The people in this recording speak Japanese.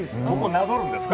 なぞるんですか。